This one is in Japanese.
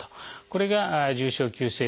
これが重症急性